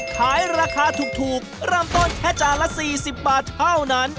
ขายราคาถูกเริ่มต้นแค่จานละ๔๐บาทเท่านั้น